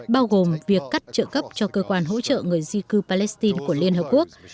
bao gồm việc cắt trợ cấp cho cơ quan hỗ trợ người di cư palestine của liên hợp quốc